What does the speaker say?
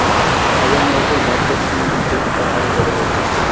কাজের মেয়েটির ভাবলেশহীন মুখ দেখে তা আরো বেড়ে যাচ্ছে।